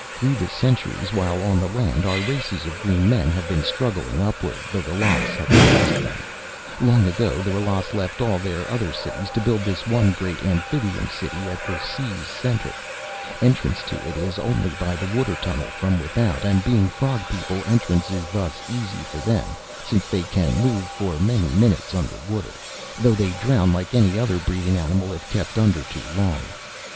"Through the centuries, while on the land our races of green men have been struggling upward, the Ralas have oppressed them. Long ago the Ralas left all their other cities to build this one great amphibian city at the sea's center. Entrance to it is only by the water tunnel from without, and being frog people entrance thus is easy for them since they can move for many minutes under water, though they drown like any other breathing animal if kept under too long.